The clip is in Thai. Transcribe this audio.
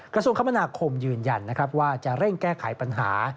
กระทรวงคมนาคมยืนยันนะครับว่าจะเร่งแก้ไขปัญหา